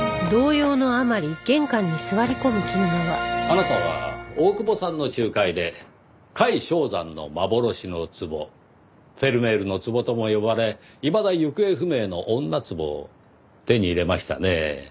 あなたは大久保さんの仲介で櫂象仙の幻の壺フェルメールの壺とも呼ばれいまだ行方不明の女壺を手に入れましたね。